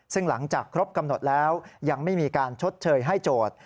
ซึ่งหลังจากครบกำหนดแล้วยังไม่มีการชดเชยให้โจทย์